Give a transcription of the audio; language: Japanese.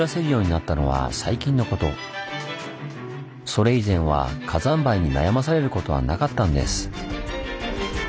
それ以前は火山灰に悩まされることはなかったんです。